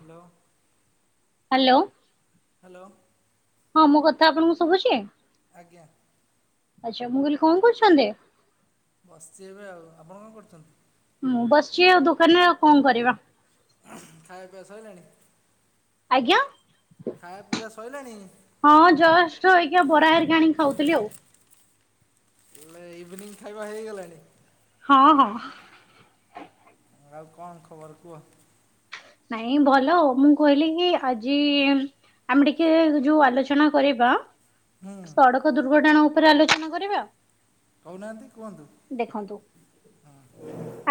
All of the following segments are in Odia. ହାଲୋ। ହାଲୋ। ହାଲୋ। ହଁ ମୋ କଥା ଆପଣଙ୍କୁ ଶୁଭୁଛି? ଆଜ୍ଞା। ଆଚ୍ଛା ମୁଁ କହିଲି କଣ କରୁଛନ୍ତି? ବସିଚି ଏବେ ଆଉ ଆପଣ କଣ କରୁଛନ୍ତି? ମୁଁ ବସିଚି ଆଉ ଦୋକାନରେ ଆଉ କଣ କରିବା। ଖାଇବା ପିଇବା ସଇଲାଣି? ଆଜ୍ଞା। ଖାଇବା ପିଇବା ସଇଲାଣି? ହଁ ଜଷ୍ଟ ଏଇଖା ବରା ହେରିକା ଆଣିକି ଖାଉଥିଲି ଆଉ। ହେଲେ ଇଭିନିଙ୍ଗ ଖାଇବା ହେଇଗଲାଣି? ହଁ ହଁ। ଆଉ କଣ ଖବର କୁହ? ନାଇଁ ଭଲ ମୁଁ କହିଲି କି ଆଜି। ଆମେ ଟିକେ ଯୋଉ ଆଲୋଚନା କରିବା। ହୁଁ ସଡକ ଦୁର୍ଘଟଣା ଉପରେ ଆଲୋଚନା କରିବା। କହୁନାହାନ୍ତି କୁହନ୍ତୁ। ଦେଖନ୍ତୁ।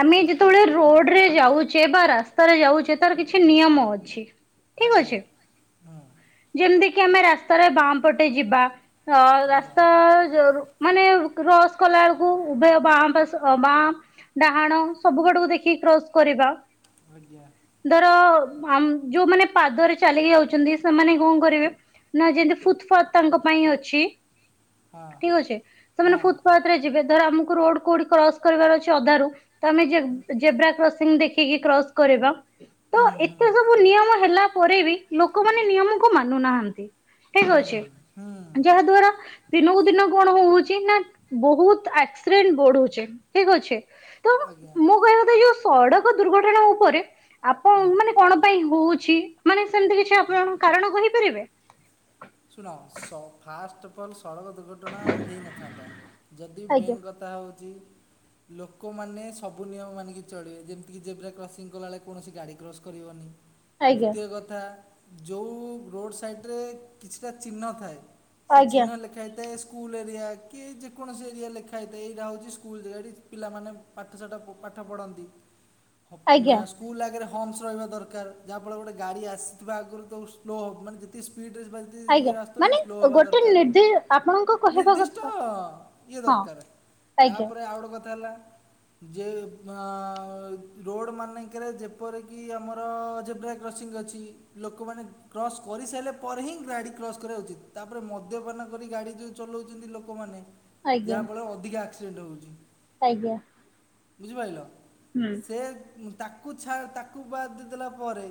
ଆମେ ଯେତେବେଳେ ରୋଡରେ ଯାଉଛେ ବା ରାସ୍ତାରେ ଯାଉଛେ ତାର କିଛି ନିୟମ ଅଛି ଠିକ ଆଜ୍ଞା ଅଛି। ହୁଁ ଯେମିତିକିି ଆମେ ରାସ୍ତାରେ ବାଁ ପଟେ ଯିବା ଅ ଆଜ୍ଞା ରାସ୍ତା ଜରୁ ମାନେ କ୍ରସ କଲାବେଳକୁ ଉଭୟ ବାଁ ପାସ୍ ଅ ବାଁ। ଡାହାଣ ସବୁ ଆଡକୁ ଦେଖିକି କ୍ରସ କରିବା। ଆଜ୍ଞା। ଧର ଆ ମ ଯୋଉମାନେ ପାଦରେ ଚାଲିକି ଯାଉଛନ୍ତି ସେମାନେ କଣ କରିବେ? ନା ଯେମିତି ଫୁତଫାତ୍ ତାଙ୍କ ପାଇଁ ଅଛି ହଁ ଠିକ ଅଛି ସେମାନେ ହଁ ଫୁତଫାତ୍। ରେ ଯିବେ ଧର ଆମକୁ ରୋଡ କୋଉଠି କ୍ରସ କରିବାର ଅଛି ଅଧାରୁ ତ ଆମେ ଜେ ଜେବ୍ରା କ୍ରସିଂ ଦେଖି ଦେଖିକି କ୍ରସ୍ କରିବା ତ ହୁଁ ଏତେ ହୁଁ ସ ସବୁ ନିୟମ ହେଲା ପରେ ବି ଲୋକମାନେ ନିୟମକୁ ମାନୁନାହାନ୍ତି। ଠିକ ହୁଁ ଅଛି ହୁଁ ଯାହା ଦ୍ଵାରା। ଦିନକୁ ଦିନ କଣ ହଉଛି ନା ବହୁତ ଆକ୍ସିଡେଣ୍ଟ ବଢୁଛି ଠିକ ଅଛି ତ ଆଜ୍ଞା। ମୋ କହିବା କଥା ଯୋଉ ସଡକ ଦୁର୍ଘଟଣା ଉପରେ ଆପ ହଁ। କଣ ପାଇଁ ହଉଛି ମାନେ ସେମିତି କିଛି ଆପଣ କାରଣ କହିପାରିବେ। ଶୁଣ ସ ଫାଷ୍ଟ ଅଫ୍ ଅଲ୍ ସଡ଼କ ଦୁର୍ଘଟଣା ହେଇନଥାନ୍ତା ଯଦି ଆଜ୍ଞା ମେନ୍ ଗ ଥା ହେଉଛି ଲୋକମାନେ ସବୁ ନିୟମ ମାନିକି ଚଳିବେ ଯେମିତି କି ଜେବ୍ରା କ୍ରସିଂ କଲାବେଳେ କୌଣସି ଗାଡ଼ି କ୍ରଶ କରିବନି। ଆଜ୍ଞା ଦ୍ଵିତୀୟ କଥା ଯୋଉଁ ରୋଡ଼ ସାଇଡ଼ରେ କିଛିଟା ଚିହ୍ନ ଥାଏ ସେ ଆଜ୍ଞା ଚିହ୍ନ ଲେଖା ହେଇଥାଏ ସ୍କୁଲ୍ ଏରିଆ କି ଯେକୌଣସି ଏରିଆ ଲେଖା ହେଇଥାଏ ଏଇଟା ହେଉଛି ସ୍କୁଲ ଜାଗାଟି ପିଲାମାନେ ପାଠଶାଠ ପାଠ ପଢ଼ନ୍ତି ମା ଆଜ୍ଞା ସ୍କୁଲ୍ ଆଗରେ ହମ୍ସ ରହିବା ଦରକାର ଯାହାଫଳରେ ଗୋଟେ ଗାଡ଼ି ଆସିଥିବା ଆଗରୁ ତ ସ୍ଲୋ ହେବ ମାନେ ଯେତିି ସ୍ପିଡ଼୍ରେ ରେ ଯିବା ଇ ଆଜ୍ଞା ରାସ୍ତା ସେ ମାନେ ସ୍ଲୋ ହବା ଗୋଟେ ଦରକାର ନିର୍ଦ୍ଦି ଆପଣଙ୍କ କହିବା ନିର୍ଦ୍ଦିଷ୍ଟ କଥା ଇଏ ହଁ ଦରକାର। ଆଜ୍ଞା ତାପରେ ଆଉ ଗୋଟେ କଥା ହେଲା ଯେ ପା ରୋଡ଼ ମାନେଙ୍କରେ ଯେପରିକି ଆମର ଜେବ୍ରା କ୍ରସିଂ ଅଛି। ଲୋକମାନେ କ୍ରସ୍ କରିସାରିଲା ପରେ ହିଁ ଗାଡି କ୍ରସ କରିବା ଉଚିତ ତାପରେ ମଦ୍ୟପାନ କରି ଗାଡି ଯୋଉ ଚଲୋଉଛନ୍ତି ଲୋକମାନେ ଆଜ୍ଞା ଯାହା ଫଳ ଅଧିକା ଆକ୍ସିଡେଣ୍ଟ ହଉଛି। ଆଜ୍ଞା। ବୁଝିପାରିଲ। ହୁଁ। ସେ ତାକୁ ଛା ତାକୁ ବାଦ୍ ଦେଇ ଦେଲା ପରେ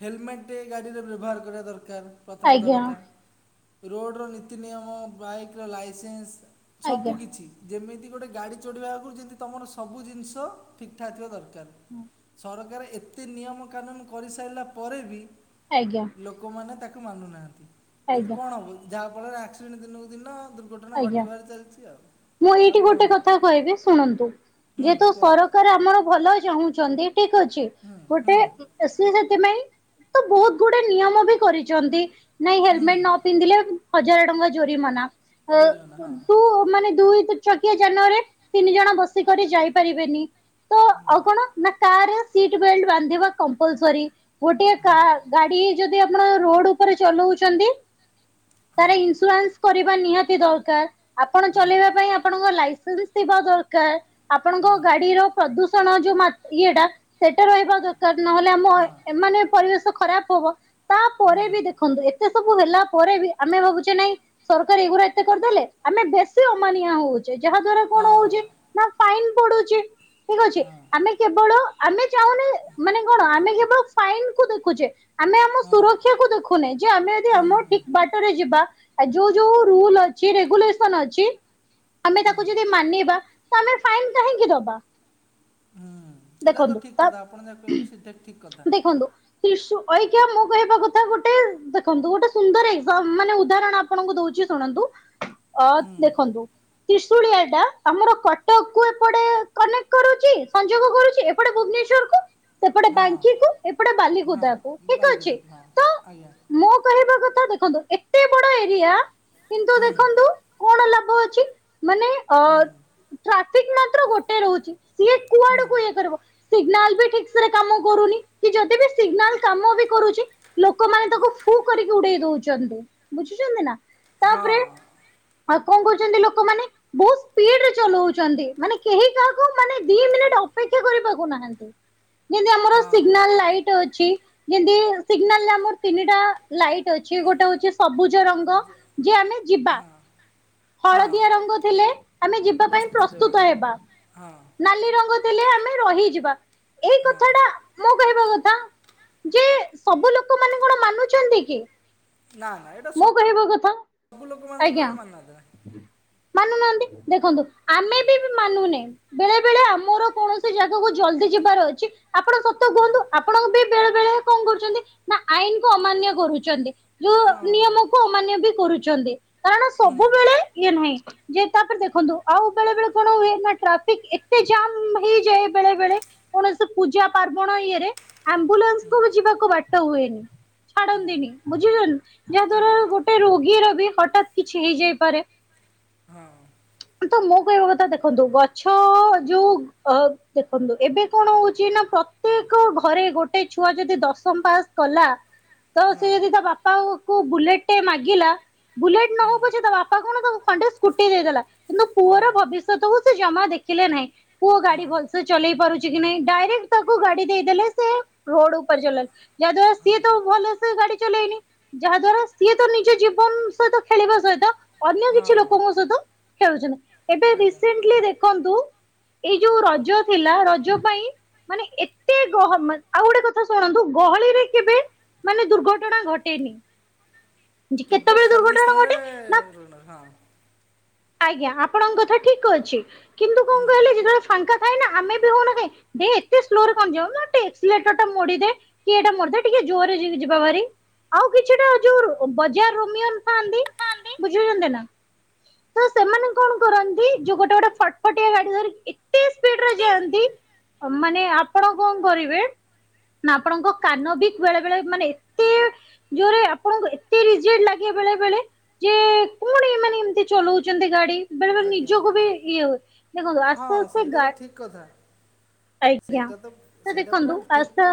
ହେଲମେଟ୍ ଟିଏ ଗାଡ଼ିରେ ବ୍ୟବହାର କରିବା ଦର କାର ପ୍ରଥମତଃ ଆଜ୍ଞା କଥା ରୋଡ ର ନୀତି ନିୟମ ବାଇକ ର ଲାଇସେନ୍ସ ଆଜ୍ଞା ସବୁକିଛି ଯେମିତି ଗୋଟେ ଗାଡ଼ି ଚଢ଼ିବା ଆଗରୁ ଯେମିତି ତୁମର ସବୁ ଜିନିଷ ଠିକ ଠାକ୍ ଥିବା ଦରକାର। ହୁଁ। ସରକାର ଏତେ ନିୟମ କାନୁନ କରିସାରିଲା ପରେ ବି ଆଜ୍ଞା। ଲୋକ ମାନେ ତାକୁ ମାନୁନାହାନ୍ତି କିନ୍ତୁ ଆଜ୍ଞା କଣ ହବ ଯାହା ଫଳରେ ଆକ୍ସିଡେଣ୍ଟ ଦିନକୁ ଦିନ ଦୂର୍ଘ୍ ଘଟଣା ଆଜ୍ଞା। ଘଟିବାର ଚାଲିଛି ଆଉ। ମୁଁ ଆଉ ଏଇଠି କ'ଣ ଗୋଟେ ହେବ କଥା କହିବି ଶୁଣନ୍ତୁ ହୁଁ ଯେହେତୁ କୁହ ସରକାର ଆମର ଭଲ ଚାହୁଁଛନ୍ତି ଠିକ ଅଛି ହୁଁ ଗୋଟେ ହୁଁ ସି ଏ ସେଥିପାଇଁ ତ ବହୁତ ଗୁଡେ ନିୟମ ବି କରିଚନ୍ତି। ନାଇଁ ହେଲମେଟ ହୁଁ ନ ପିନ୍ଧିଲେ ହଜାର ଟଙ୍କା ଜୋରି ମନା ଜରିମାନା ହଁ ତୁ ମାନେ ଦୁଇ ଛକିଆ ଯାନ ରେ ତିନି ଜଣ ବସିକରି ଯାଇ ପାରିବେନି। ତ ଆଉ କଣ ନା କାରରେ ସିଟ ବେଲଟ ବାନ୍ଧିବା କମ୍ପଲ ସରି। ଗୋଟିଏ ହୁଁ କାର ଗାଡି ଯଦି ଆପଣ ରୋଡ ଉପରେ ଚଲଉଛନ୍ତି ହଁ ତାର ଇନସୁରାନ୍ସ କରିବା ନିହାତି ଦରକାର ଆପଣ ହଁ ଚଲେଇବା ପାଇଁ ଆପଣଙ୍କ ଲାଇସେନ୍ସ ଦରକାର ଆପଣଙ୍କ ହଁ ଗାଡିର ପ୍ରଦୂଷଣ ଯୋଉ ମା ଇଏଟା ସେଇଟା ରହିବା ଦର କାର ନହେଲେ ଆମ ହଁ ଏମାନେ ପରିବେଶ ଖରାପ ହବ ହୁଁ ତାପରେ ବି ଦେଖନ୍ତୁ ଏତେ ସବୁ ହେଲା ପରେ ବି ଆମେ ଭାବୁଛେ ନାଇଁ ସରକାର ଏଗୁୁରା ଏତେ କରିଦେଲେ ଆମେ ବେଶୀ ଅମାନିଆ ହଉ ଛେ ଯାହା ଦ୍ଵାରା କଣ ହଁ ହଉଛି ନା ଫାଇନ ପଡୁଛି ଠିକ ଅଛି ହଁ ଆମେ କେବଳ ଆମେ ଚାହୁଁନେ ମାନେ କଣ ଆମେ କେବଳ ଫାଇନ କୁ ଦେଖୁଛେ। ଆମେ ଆମ ହଁ ସୁରକ୍ଷା କୁ ଦେଖୁନହି ଯେ ଆମେ ଯଦି ଆମ ହୁଁ ହୁଁ ଠିକ ବା ରେ ଜିବା ଯୋଉ ଯୋଉ ରୁଲ ଅଛି ରେଗୁଲେସନ ଅଛି ଆମେ ହୁଁ ତାକୁ ଯଦି ମାନିବା ତ ଆମେ ଫାଇନ କାହିଁକି ଦବା? ହୁଁ ସେଟା ତ ଦେଖନ୍ତୁ ଠିକ୍ ତା କଥା ଆପଣ ଯାହା କହିଲେ ସେଇଟା ଠିକ୍ କଥା। [unintelligible] ଇସୁ ଅଇକା ମୁଁ କହିବା କଥା ଗୋଟେ ଦେଖନ୍ତୁ ଗୋଟେ ସୁନ୍ଦର ଏକ ଏକ୍ଜାମ ମାନେ ଉଦାହରଣ ଆପ ଆପଣଙ୍କୁ ଦଉଚି ଶୁଣନ୍ତୁ। ଅ ହୁଁ ଦେଖନ୍ତୁ ତ୍ରିଶୁଳିଆଟା ଆମର କଟକକୁ ଏପଟେ କନେକ୍ଟ କରୁଚି। ସଂ ଯୋଗ କରୁଚି ଏପଟେ ଭୁବନେଶ୍ଵରକୁ ସେପଟେ ହଁ ବାଙ୍କିକୁ ଏପଟେ ହଁ ବାଲିକୁଦାକୁ ଠିକ ଅଛି ବାଲିକୁଦାକୁ ହଁ ତ ଆଜ୍ଞା ମୁଁ କହିବା କଥା ଦେଖନ୍ତୁ ଏତେ ବଡ ଏରିଆ କିନ୍ତୁ ହୁଁ ଦେଖନ୍ତୁ କଣ ଲାଭ ଅଛି, ମାନେ ଅ ହୁଁ ଟ୍ରାଫିକ୍ ମାତ୍ର ଗୋଟେ ରହୁଚି। ସିଏ ହୁଁ। ହେଇପାରିବ ସିଗନାଲ ବି ଠିକ୍ ସେରେ କାମ କରୁନି କି ଯଦି ବି ସିଗନାଲ୍ କାମ ବି କରୁଚି ଲୋକମାନେ ତାକୁ ଫୁ କରିକି ଉଡେଇ ଦଉଚନ୍ତି। ବୁଝୁଚନ୍ତି ନା? ତାପରେ ହଁ। ଆଉ କଣ କହୁଚନ୍ତି ଲୋକମାନେ ବହୁତ ସ୍ପିଡରେ ଚଲଉଚନ୍ତି ମାନେ କେହି କାହାକୁ ମାନେ ଦି ମିନିଟ ଅପେକ୍ଷା କରିବାକୁ ନାହାନ୍ତି। ଯେମିତି ଆମର ହଁ ସିଗ୍ନାଲ ଲାଇଟ୍ ଅଛି। ଯେମିତି ସିଗ୍ନାଲ ଆମର ତିନିଟା ଲାଇଟ ଅଛି ଗୋଟେ ହଉଚି ସବୁଜ ରଙ୍ଗ ଯେ ଆମେ ଯିବା। ହଁ ହଳଦିଆ ରଙ୍ଗ ଥିଲେ ଆମେ ଯିବା ପାଇଁ ଦେବା ପ୍ରସ୍ତୁତ ହଁ ହେବା। ହଁ ନାଲି ରଙ୍ଗ ଦେଲେ ଆମେ ରହିଯିବା। ଏଇ ହଁ କଥା ଟା ମୁଁ କହିବା କଥା ଯେ ସବୁ ଲୋକ ମାନେ କଣ ମାନୁଛନ୍ତି କି? ନା ନା ଏଇଟା ସ ମୁଁ କହିବା ସବୁ ଲୋକ ମାନେ ଟୋଟାଲ ମାନୁନାହାନ୍ତି ଏଟା। ମାନୁ ନାହାନ୍ତି, ଦେଖନ୍ତୁ ଆମେ ବି ବି ମାନୁନେ। ବେଳେ ବେଳେ ଆମର କୌଣସି ଜାଗାକୁ ଜଲଦି ଯିବାର ଅଛି ଆପଣ ସତ କୁହନ୍ତୁ ଆପଣଙ୍କ ବି ବେଳେ ବେଳେ କଣ କରୁଛନ୍ତି, ନା ଆଇନ୍ କୁୁ ଅମାନ୍ୟ କରୁଚନ୍ତି। ହଁ ଯୋଉ ନିୟମକୁ ଅମାନ୍ୟ ବି କରୁଛନ୍ତି। କାରଣ ହୁଁ। ସବୁବେଳେ ଇଏ ନୁହେଁ। ଯେ ତାପରେ ଦେଖନ୍ତୁ ଆଉ ବେଳେ ବେଳେ କଣ ହୁଏ ନା ଟ୍ରାଫିକ୍ ଏତେ ଜାମ୍ ହେଇଯାଏ ବେଳେ ବେଳେ କୌଣସି ପୂଜା ପାର୍ବଣ ଇଏରେ, ଆମ୍ବୁଲାନ୍ସ କୁ ବି ଯିବାକୁ ବାଟ ହୁଏନି। ଛାଡ଼ନ୍ତିିନି ବୁଝିଲନ୍, ଯାହା ଆଜ୍ଞା ଦ୍ବାରା ଗୋଟେ ରୋଗୀର ବି ହଠାତ୍ କି କିଛି ହେଇଯାଇପାରେ। ହଁ। ହଁ ତ ମୁଁ କହିବା କଥା ଦେଖନ୍ତୁ ଗଛ ଯୋଉ ଅ, ଦେଖନ୍ତୁ ଏବେ କଣ ହଉଛି ନା ପ୍ର ତେକ ଘରେ ଗୋଟେ ଛୁଆ ଯଦି ଦଶମ ପାସ୍ କଲା ତ ହଁ ସିଏ ଯଦି ତା ବାପା କୁ ବୁଲେଟେ ମାଗିଲା, ବୁଲେଟ ନ ହଉ ତା ବାପା କଣ ତାକୁ ଖଣ୍ଡେ ସ୍କୁଟି ଦେଇଦେଲା। କିନ୍ତୁ ହଁ ପୁଅର ଭବିଷ୍ୟତ କୁ ସେ ଜମା ଦେଖିଲେ ନାହିଁ। ପୁଅ ଗାଡି ହଁ ଭଲସେ ଚଲେଇ ପାରୁଚି କି ନାଇଁ, ଡାଇରେକ୍ଟ ତାକୁ ଗାଡି ଦେଇଦେଲେ ସେ ରୋଡ୍ ଉପରେ ଚଲ [inaudible] ଯାହାଦ୍ଵାରା ସିଏ ତ ଭଲସେ ଗାଡି ଚଲେଇନି, ଯାହା ଦ୍ଵାରା ସିଏ ତ ନିଜ ଜୀବନ ସହିତ ଖେଳିବା ସହିତ ଅନ୍ୟ କିଛି ହଁ ଲୋକଙ୍କ ସହିତ ଖେଳୁଛନ୍ତି, ଏବେ ଆଜ୍ଞା ରିସେଣ୍ଟଲି ଦେଖନ୍ତୁ ଏଇ ଯୋଉ ରଜ ଥିଲା ରଜ ପାଇଁ ମାନେ ଏତେ ଗହ ଆଉ ଗୋଟେ କଥା ଶୁଣନ୍ତୁ ଗହଳିରେ କେବେ ମାନେ ଦୁର୍ଘଟଣା ଘଟେନି। କେବେ କେତେବେଳେ ଖାଲି ଦୁର୍ଘଟଣା ସ୍ଥାନରେ ଘଟେ ନା ରୁହେନା ହଁ। ଆଜ୍ଞା ଆପଣଙ୍କ କଥା ଠିକ ଅଛି, କିନ୍ତୁ କଣ କହିଲେ ଯେତେବେଳେ ଫାଙ୍କା ଥାଏ ନା ଆମେ ବି ହଉନା କାଇଁ ଦେ ଏତେ ସ୍ଲୋରେ କଣ ଯାଉ ମୋଟେ ଏକ୍ସିଲେଟର୍ ଟେ ମୋଡି ଦେ କିଏ ଏଟା ମରି ଦେ ଟିକେ ଜୋରରେ ଯି ଯିବା ଭାରି। ଆଉ କିଛିଟା ଯୋଉ ବଜାର ରୋମିଅନ ଥାନ୍ତି ଥାନ୍ତି। ବୁଝୁଛନ୍ତି ନା ତ ସେମାନେ କଣ କରନ୍ତି ଯୋଉ ଗୋଟେ ଗୋଟେ ଫଟପଟିଆ ଗାଡି ଧରି ଏତେ ସ୍ପିଡରେ ଯାଆନ୍ତି ମାନେ ଆପଣ କଣ କରିବେ ନା ଆପଣଙ୍କ କାନ ବି ବେଳେ ବେଳେ ମାନେ ଏତେ ଯୋରେ ଆପଣଙ୍କୁ ଏତେ ରିଯିଡ୍ ଲାଗେ ବେଳେ ବେଳେ ଯେ କଣ ଏମାନେ ଏମତି ଚଲୁ ଚନ୍ତି ଗାଡି। ବେଳେ ବେଳେ ଆଜ୍ଞା ନିଜକୁ ଆଜ୍ଞା ବି ଇଏ ହୁଏ। ଦେଖନ୍ତୁ ଆସ୍ତେ ଆସ୍ତେ ଗା ଠିକ କଥା ଆଜ୍ଞା। ସେଇଟା ତ ସେଇଟା ପୁରା ଦେଖନ୍ତୁ ଠିକ୍। ଆସ୍ତେ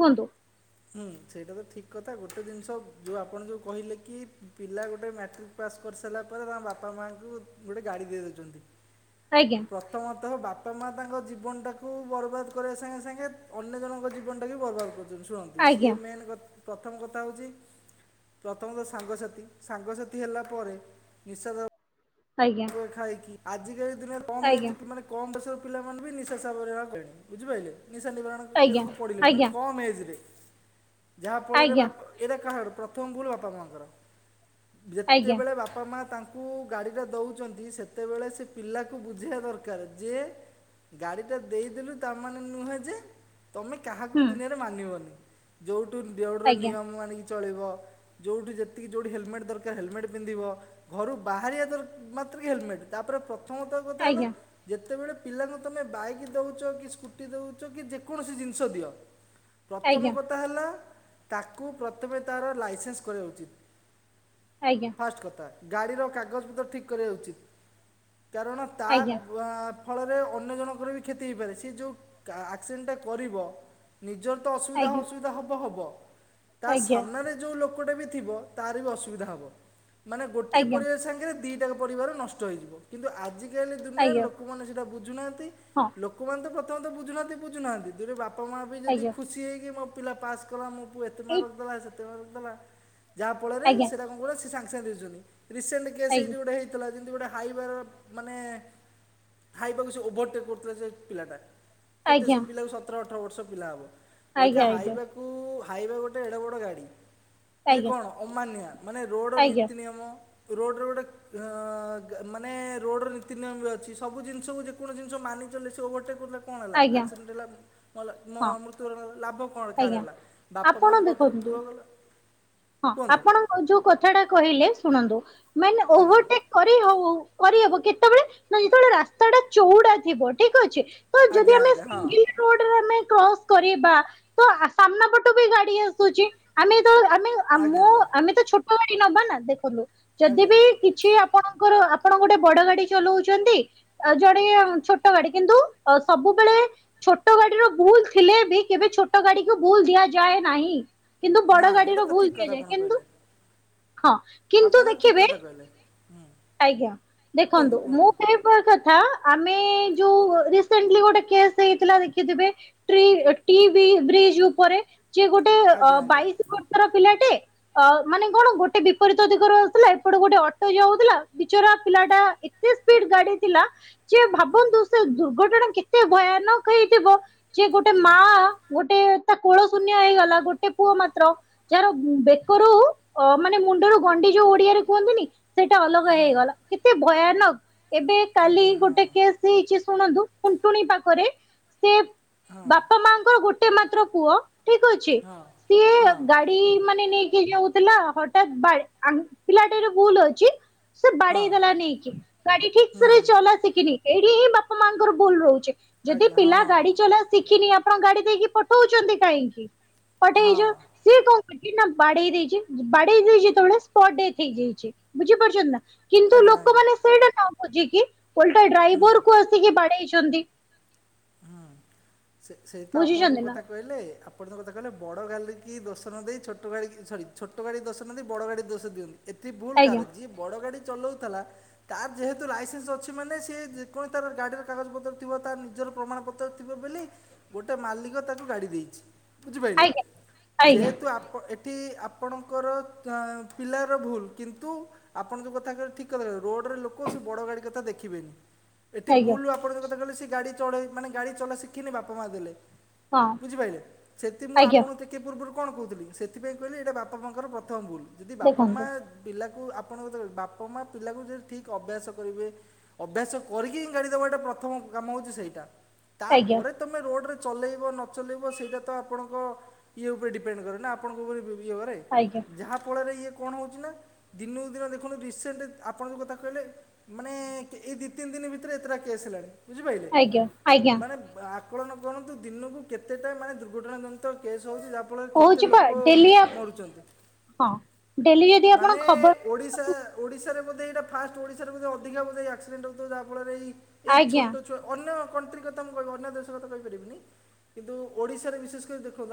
କୁହନ୍ତୁ? ହୁଁ ସେଇଟା ତ ଠିକ୍ କଥା। ଗୋଟେ ଜିନିଷ ଯୋଉ ଆପଣ ଯୋଉ କହିଲେ କି ପିଲା ଗୋଟେ ମ୍ୟାଟ୍ରିକ୍ ପାସ୍ କରି ସାରିଲା ପରେ ତାଙ୍କ ବାପା ମାଆ ଙ୍କୁ ଗୋଟେ ଗାଡ଼ି ଦେଇ ଦଉଚନ୍ତି। ଆଜ୍ଞା ପ୍ର ପ୍ରଥମତଃ ବାପା ମାଆ ତାଙ୍କ ଜୀବନଟାକୁ ବର୍ବାଦ କରିବା ସାଙ୍ଗେ ସାଙ୍ଗେ ଅନ୍ୟ ଜଣଙ୍କ ଜୀବନଟା ବି ବର୍ବାଦ କହୁଚନ୍ତି ଶୁଣନ୍ତୁ ଆଜ୍ଞା ସିଏ ମେନ୍ କଥ ପ୍ରଥମ କଥା ହଉଚି ପ୍ରଥମତଃ ସାଙ୍ଗସାଥି ସାଙ୍ଗସାଥି ହେଲା ପରେ ନିଶାଦ ଆଜ୍ଞା। ଖାଇକି ଆଜିକା ଏ ଦିନରେ କମ ଆଜ୍ଞା। ଏଜେ ପି ମାନେ କମ ବୟସର ପିଲାମାନେ ବି ନିଶା ସାବରନ କଲେଣି ବୁଝିପାଇଲେ। ନିଶା ନିବାରଣ ଆ ଆଜ୍ଞା କେରକୁ ପଡିଲେଣି ମାନେ ଆଜ୍ଞା କମ ଏଜରେ ଯାହା ଫଳରେ ଆଜ୍ଞା ବାପା ଏଇଟା କାହାର ପ୍ରଥମ ଭୁଲ ବାପା ମାଆଙ୍କର ଆଜ୍ଞା ଯେତେବେଳେ ବାପା ମାଆ ତାଙ୍କ କୁ ଗାଡି ଟା ଦଉଚନ୍ତି ସେତେବେଳେ ସେ ପିଲାକୁ ବୁଝେଇବା ଦରକାର। ଯେ ଗାଡ଼ି ଟା ଦେଇ ଦଲୁ ତା ମାନେ ନୁହେଁ ଯେ ତମେ କାହାକୁ ହୁଁ ଦୁନିଆରେ ମାନିବନି। ଯୋଉଠୁ ଦେ ରୋଡର ଆଜ୍ଞା ନିୟମ ମାନେ କି ଚଳିବ। ଯୋଉଠି ଯେତିକି ଯୋଉଠି ହେଲମେଟ୍ ଦରକାର ହେଲମେଟ୍ ପିନ୍ଧିବ। ଘରୁ ବାହାରିବା ଦରକା ମାତ୍ରକେ ହେଲମେଟ୍ ତା ପରେ ପ୍ରଥମତଃ କଥା ହେଲା। ଆଜ୍ଞା ଯେତେବେଳେ ପିଲାଙ୍କୁ ତୁମେ ବାଇକ୍ ଦଉଚ କି ସ୍କୁଟି ଦଉଚ କି ଯେକୌଣସି ଜିନିଷ ଦିଅ। ପ୍ରଥମ ଆଜ୍ଞା କଥା ହେଲା ତାକୁ ପ୍ରଥମେ ତାର ଲାଇସେନ୍ସ କରିବା ଉଚିତ୍। ଆଜ୍ଞା। ଫାଷ୍ଟ କଥା ଗାଡ଼ିର କାଗଜ ପତ୍ର ଠିକ୍ କରିବାର ଉଚିତ୍। କାରଣ ତା ଆଜ୍ଞା ଆଁ ଫଳରେ ଅନ୍ୟ ଜଣଙ୍କର ବି କ୍ଷତି ହେଇପାରେ। ସିଏ ଯୋଉ କା ଆକ୍ସିଡେଣ୍ଟଟା କରିବ। ନିଜର ତ ଅସୁବିଧା ଆଜ୍ଞା ଅସୁବିଧା ହବ ହବ। ତା ସାମ୍ନାରେ ଯୋଉ ଲୋକଟା ବି ଥିବ ତାର ବି ଅସୁବିଧା ହବ। ମାନେ ଗୋଟିଏ ଆଜ୍ଞା ଆଜ୍ଞା ପରିବାର ସାଙ୍ଗରେ ଦିଟା ପରିବାର ନଷ୍ଟ ହେଇଯିବ। କିନ୍ତୁ ଆଜିକାଲି ଦୁନିଆରେ ଆଜ୍ଞା ଲୋକମାନେ ସେଟା ବୁଝ୍ ବୁଝୁନାହାଁନ୍ତି ହଁ ଲୋକମାନେ ତ ପ୍ରଥମେତଃ ବୁଝୁନାହାଁନ୍ତି ବୁଝୁ ନାହାଁନ୍ତି ଦୁଇ ରେ ବାପ୍ ବାପା ମାଆ ବି ଯଦି ଆଜ୍ଞା ଖୁସି ହେଇକି ମୋ ପିଲା ପାସ୍ କଲା। ମୋ ପୁଅ ଏତେ ଏଇ ମାର୍କ ରଖିଦେଲା ସେତେ ମାର୍କ ରଖିଦେଲା। ଯାହା ଫଳରେ ଆଜ୍ଞା ସେଇଟା କଣ କହିଲେ ସେ ସାଙ୍ଗେ ସାଙ୍ଗେ ଦେଇ ଦଉଚନ୍ତି। ରିସେଣ୍ଟ କେସ୍ ଆଜ୍ଞା ସେଇଠି ଗୋଟେ ହେଇ ଥିଲା। ଯେମତି ଗୋଟେ ହାଇୱା ର ମାନେ ହାଇୱାକୁ ସେ ଓଭରଟେକ୍ କରୁଥିଲା ସେ ପିଲାଟା। କେତେ ଆଜ୍ଞା ସେ ପିଲାକୁ ସତର ଅଠର ବର୍ଷ ପିଲା ହବ। ଆଜ୍ଞା ଓଇଖା ଆଜ୍ଞା ହାଇୱା କୁ ହାଇୱା ଗୋଟେ ଏଡ଼େ ବଡ଼ ଗାଡ଼ି। ଇଏ ଆଜ୍ଞା କଣ ଅମାନିଆ ମାନେ ରୋଡ ଆଜ୍ଞା ନୀତି ନିୟମ ରୋଡ ର ଗୋଟେ କ୍ୟଅଁ ଗ ମାନେ ରୋଡ଼ର ନୀତିନିୟମ ବି ଅଛି। ସବୁ ଜିନିଷକୁ ଯେକୌଣସି ଜିନିଷ ମାନି ଚଳିଲେ ସେ ଓଭରଟେକ୍ କରିଲା କଣ ହେଲା ଆଜ୍ଞା ଆକ୍ସିଡେଣ୍ଟ ହେଲା ମଲା ହଁ ମ-ମୃତ୍ୟ ବରଣ କଲା ଲାଭ କଣ କାର ଆଜ୍ଞା ହେଲା ବାପା ଆପଣ ମାଆଙ୍କ କତୁରୁ ଦେଖନ୍ତୁ ପୁଅ ଗଲା। ହଁ କୁହନ୍ତୁ ଆପଣ ଯୋଉ କଥାଟା କହିଲେ ଶୁଣନ୍ତୁ ମାନେ ଆଜ୍ଞା ଓଭରଟେକ୍ କରିହଉଉ କରିହବ କେତେବେଳେ ନା ଯେତେବେଳେ ରାସ୍ତା ଟା ଚଉଡା ଥିବ ଠିକ ଅଛି। ତ ଯଦି ଆଜ୍ଞା ଆମେ ଆଜ୍ଞା ହଁ ସିଙ୍ଗଲ୍ ରେ କ୍ରସ୍ କରିବା ତ ଆ ସାମ୍ନା ପଟୁ ବି ଗାଡି ଆସୁଚି ଆମେ ତ ଆମେ ଆଜ୍ଞା ମୁଁ ଆଜ୍ଞା ଆମେ ତ ଛୋଟ ଗାଡି ନବା ନା ଦେଖନ୍ତୁ ଯଦି ଆଜ୍ଞା ବି କିଛି ଆପ୍ ଆପଣଙ୍କର ଆପଣ ଗୋଟେ ବଡ ଗାଡି ଚଲଉଚନ୍ତି। ଅ ଜଣେ ଛୋଟ ଗାଡି କିନ୍ତୁ ଅ ସବୁବେଳେ ଛୋଟ ଗାଡିର ଭୁଲ ଥିଲେ ବି କେବେ ଛୋଟ ଗାଡିକୁ ଭୁଲ ଦିଆଯାଏ ନାହିଁ। କିନ୍ତୁ ନା ବଡ ଏଇଟା ଗାଡିର ତ ଭୁଲ ଠିକ୍ କଥା ଦିଆଯାଏ। ଆପଣ କେମତି କହିଲେ ହଁ କିନ୍ତୁ ଆପଣ ତ ଦେଖିବେ [unintelligible] ହୁଁ। ଆଜ୍ଞା, କୁହନ୍ତୁ ଦେଖନ୍ତୁ ମୁଁ କୁହନ୍ତୁ [unintelligible] [inaudible] କଥା ଆମେ ଯୋଉ ରିସେଣ୍ଟଲି ଗୋଟେ କେସ୍ ହେଇଥିଲା ଦେଖିଥିବେ ଟ୍ରି ଅ, ଟି ବି-ବ୍ରିଜ ଉପରେ ଯିଏ ଗୋଟେ ଅ, ଆଜ୍ଞା ଆଜ୍ଞା ବାଇଶି ବର୍ଷର ପିଲାଟେ ଅ, ମାନେ କଣ ଗୋଟେ ବିପରୀତ ଦିଗରେ ଆସୁଥିଲା, ଏପଟେ ଗୋଟେ ଅଟୋ ଯାଉଥିଲା ବିଚରା ପିଲା ଟା ଏତେ ସ୍ପିଡ ଗାଡି ଥିଲା, ଯେ ଭାବନ୍ତୁ ସେ ଦୁର୍ଘଟଣା କେ ତେ ଭୟାନକ ହେଇଥିବ, ଯେ ଗୋଟେ ମା ଗୋଟେ ତା କୋଳ ଶୂନ୍ୟ ହେଇଗଲା ଗୋଟେ ପୁଅ ମାତ୍ର। ଯାହାର ବେକରୁ ଅ, ମାନେ ମୁଣ୍ଡରୁ ଗଣ୍ଡି ଯୋଉ ଓଡିଆରେ କୁହନ୍ତିନି ସେଇଟା ଅଲ ଗା ହେଇଗଲା କେତେ ଭୟାନକ। ଏବେ କାଲି ଆଜ୍ଞା ହଁ ଗୋଟେ କେସ୍ ହେଇଚି ଶୁଣନ୍ତୁ ଖୁଣ୍ଟୁଣି ପାଖରେ, ସେ ହଁ ବାପା ମାଙ୍କର ଗୋଟେ ମାତ୍ର ପୁଅ ଠିକ ଅଛି। ହଁ ସିଏ ହଁ ଗା ଡି ମାନେ ନେଇକି ଯାଉଥିଲା। ହଠାତ୍ ବା-ଆଗ ପିଲାଟିର ଭୁଲ ଅଛି। ସେ ହଁ ବାଡେଇଦେଲା ନେଇକି। ଗାଡି ଠିକ ହୁଁ ସେରେ ହୁଁ ଚଲା ସିକିନି। ଏଇଠି ହିଁ ବାପା ମାଙ୍କର ଭୁଲ ରହୁଛି। ଯଦି ଆଜ୍ଞା ପିଲା ହଁ ଗାଡି ଚଲା ଶିଖିନି ଆପଣ ଗାଡି ଦେଇକି ପଠଉଛନ୍ତି କାହିଁକି? ହଁ ପଠେଇଚ ସିଏ କଣ କରିଚି ନା ବାଡେଇ ଦେଇଚି, ବାଡେଇ ଦେଇଚି ଯେତେବେଳେ ସ୍ଟଟ୍ ଡେଥ୍ ହେଇଯାଇଛି। ବୁଝିପାରୁଛନ୍ତି ନା। କିନ୍ତୁ ଆଜ୍ଞା ଆଜ୍ଞା ଲୋକମାନେ ସେଇଟା ନ ବୁଝିକି ଓଲଟା ହୁଁ ଡ୍ରାଇଭର୍ କୁ ଆସିକି ବାଡେଇଛନ୍ତି। ହୁଁ, ସେ ସେଇ ତ ଆପଣ ଯୋଉ ବୁଝିଛନ୍ତି ନା କଥା କହିଲେ। ଆ ଆପଣ ଯୋଉ କଥା କହିଲେ ବଡ଼ ଗାଲିକି ଦୋଷ ନ ଦେଇ ଛୋଟ ଗାଡ଼ିକି, ସରି ଛୋଟ ଗାଡ଼ି ଦୋଷ ନ ଦେଇ ବଡ଼ ଗାଡ଼ି ଦୋଷ ଦିଅନ୍ତି। ଏଠି ଭୁଲ୍ କାର, ଆଜ୍ଞା ଯିଏ ବଡ଼ ଗାଡ଼ି ଚଲଉଥଲା ତାର ଯେହେତୁ ଲାଇସେନ୍ସ ଅଛି ମାନେ ସିଏ ଯେକଣ ତାର ଗାଡିର କାଗଜ ପତ୍ର ଥିବ ତା ନିଜର ପ୍ରମାଣପତ୍ର ଥିବ ବୋଲି ଗୋଟେ ମାଲିକ ତାକୁ ଗାଡ଼ି ଦେଇଛି। ବୁଝିପାଇଲେ। ଆଜ୍ଞା ଆଜ୍ଞା ଯେହେତୁ ଆପ ଏ ଠି ଆପଣଙ୍କର ଚ- ପିଲାର ଭୁଲ, କିନ୍ତୁ ଆପଣ ଯୋଉ କଥା କହିଲେ ଠିକ୍ କଥା କହିଲେ। ରୋ ଡରେ ଲୋକ ସେ ବଡ ଗାଡି କଥା ଦେଖିବେନି। ଏଠି ଆଜ୍ଞା ବୁଲ ଆପଣଙ୍କ ଯୋଉ କଥା କହିଲେ ସେ ଗାଡି ଚଢେଇ ମାନେ ଗାଡି ଚଲା ଶିଖିନି ବାପା ମା ଦେଲେ। ହଁ ବୁଝିପାଇଲେ ସେଥି ମୁଁ ଆଜ୍ଞା ଆପଣ କେ କେ ପୂର୍ବରୁ କଣ କହୁଥିଲି? ସେଥିପାଇଁ କହିଲି ଏଇଟା ବାପା ମାଙ୍କର ପ୍ରଥମ ଭୁଲ। ଯଦି ବାପା ମା ଦେଖନ୍ତୁ ପିଲାକୁ ଆପଣଙ୍କ ତେବେ ବାପା ମା ପିଲାକୁ ଯଦି ଠିକ ଅଭ୍ୟାସ କରିବେ। ଅଭ୍ୟାସ କରିକି ହିଁ ଗାଡି ଦବାଟା ପ୍ରଥମ କାମ ହଉଚି ସେଇଟା। ଆଜ୍ଞା ତାପରେ ତୋମେ ରୋଡ଼୍ ରେ ଚଲେଇବ ନଚଲେଇବ ସେଇଟା ତ ଆପଣଙ୍କ ଇଏ ଉପରେ ଡିପେଣ୍ଡ କରେ ନା ଆପଣଙ୍କ ଉପରେ ଇଏ କରେ। ଆଜ୍ଞା। ଯାହାଫଳରେ ଇଏ କଣ ହଉଚି ନା, ଦିନକୁ ଦିନ ଦେଖନ୍ତୁ ରିସେଣ୍ଟ ଆପଣ ଯୋଉ କଥା କହିଲେ ମାନେ କେ ଏଇ ଦି ତିନି ଦିନ ଭିତରେ ଏତଟା କେସ୍ ହେଲାଣି ବୁଝିପାଇ ଜ୍ଞା ମାନେ ଆକଳନ କରନ୍ତୁ ଦିନକୁ କେତେଟା ମାନେ ଦୁର୍ଘଟଣା ଜନିତ କେସ୍ ହଉଚି। ଯା ଫଳରେ କେତେ କହୁଛି ପା ଲୋକ ଡେଲି ହଁ ମ-ମରୁଚନ୍ତି। ଡେଲି ଯଦି ଆପଣ ମାନେ ଖବର ଓଡିଶା ଓଡିଶାରେ ମଧ୍ୟ ଏଇଟା ଫାଷ୍ଟ ଓଡିଶାରେ ବୋଧେ ଅଧିକା ଏଇ ଆକ୍ସିଡେଣ୍ଟ ହଉଥୁବ ଯାହା ଫଳରେ ଏଇ ଏଇ ଆଜ୍ଞା ଛୋଟ ଛୁଆ ଅନ୍ୟ କଣ୍ଟ୍ରି କଥା ମୁଁ କହିବି, ଅନ୍ୟ ଦେଶ କଥା କହିପାରିବିନି। କିନ୍ତୁ ଓଡିଶାରେ ବିଶେଷ କରି ଦେଖନ୍ତୁ ଆ